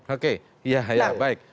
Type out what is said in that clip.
oke ya baik